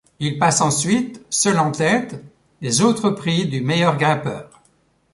Il passe ensuite, seul en tête, les autres prix du meilleur grimpeur.